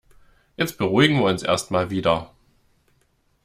Jetzt beruhigen wir uns erst mal wieder.